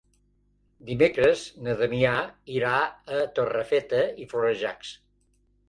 Dimecres na Damià irà a Torrefeta i Florejacs.